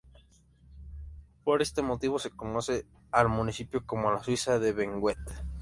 Por este motivo se conoce al municipio como la "Suiza de Benguet".